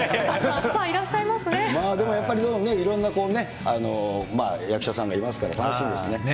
でもやっぱりいろんな役者さんがいますからね、楽しみです。